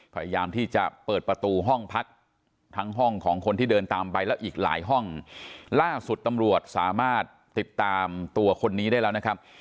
พยายามที่จะเปิดประตูห้องพักทั้งห้องของคนที่เดินตามไปแล้วอีกหลายห้องล่าสุดตำรวจสามารถติดตามตัวคนนี้ได้แล้วนะครับ